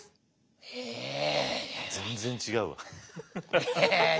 全然違うわ。へへ。